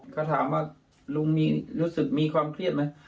ก็ถามว่าลุงมีรู้สึกมีความเครียดไหม